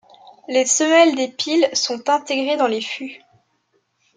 Les semelles des piles sont intégrées dans les fûts.